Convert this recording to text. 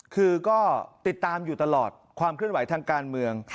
คือก็ติดตามอยู่ตลอดความเคลื่อนไหวทางการเมือง